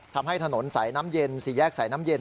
ทำให้ถนนสายน้ำเย็นสี่แยกสายน้ำเย็น